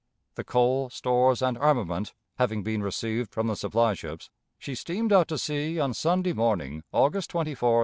The coal, stores, and armament having been received from the supply ships, she steamed out to sea on Sunday morning, August 24, 1862.